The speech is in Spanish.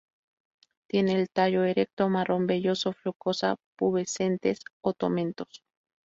Tiene el tallo erecto, marrón velloso, flocosa-pubescentes o tomentoso.